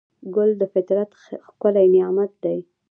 ګل د فطرت ښکلی نعمت دی.